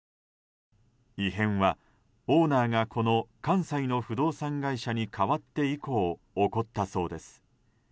異変はオーナーがこの関西の不動産会社に変わって以降起こったそうです。